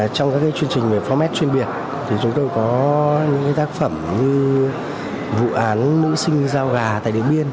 trong các chương trình về format chuyên biệt thì chúng tôi có những tác phẩm như vụ án nữ sinh giao gà tại điện biên